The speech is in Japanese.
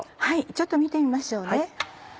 ちょっと見てみましょうね。